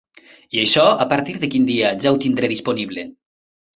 I això a partir de quin dia ja ho tindré disponible?